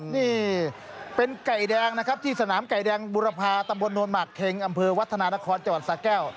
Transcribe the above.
นี่เป็นไก่แดงนะครับที่สนามไก่แดงบุรพาตำบลนวลหมากเค็งอำเภอวัฒนานครจังหวัดสาแก้ว